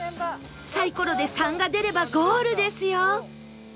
サイコロで「３」が出ればゴールですよ